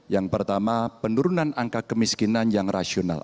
yang pertama penurunan angka kemiskinan yang rasional